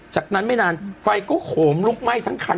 จากนั้นไม่นานไฟก็โหมลุกไหม้ทั้งคัน